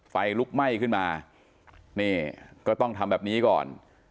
ไฟลุกไหม้ขึ้นมานี่ก็ต้องทำแบบนี้ก่อน